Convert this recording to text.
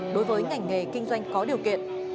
đối với ngành nghề kinh doanh có điều kiện